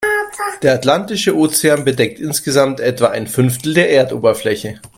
Der Atlantische Ozean bedeckt insgesamt etwa ein Fünftel der Erdoberfläche.